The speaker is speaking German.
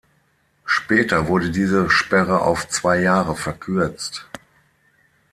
Später wurde diese Sperre auf zwei Jahre verkürzt.